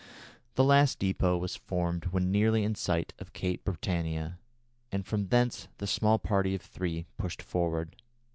The last depôt was formed when nearly in sight of Cape Britannia, and from thence the small party of three pushed forward.